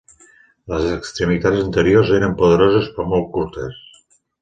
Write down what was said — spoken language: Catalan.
Les extremitats anteriors eren poderoses però molt curtes.